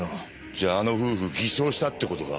じゃああの夫婦偽証したって事か？